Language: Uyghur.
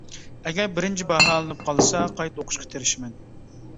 ئەگەر بىرىنچى باھالىنىپ قالسا قايتا ئوقۇشقا تىرىشىمەن.